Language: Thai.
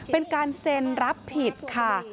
เป็นการเซ็นรับผิดค่ะ